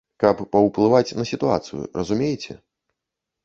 Каб паўплываць на сітуацыю, разумееце?